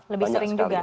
lebih sering juga